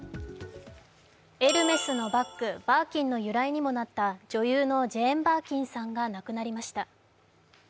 エルメスのバッグバーキンの由来にもなった女優のジェーン・バーキンさんが亡くなりました。